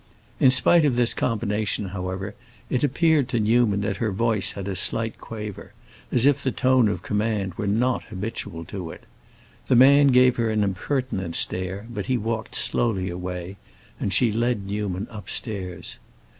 In spite of this combination, however, it appeared to Newman that her voice had a slight quaver, as if the tone of command were not habitual to it. The man gave her an impertinent stare, but he walked slowly away, and she led Newman upstairs.